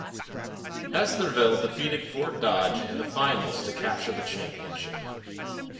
Estherville defeated Fort Dodge in the Finals to capture the championship.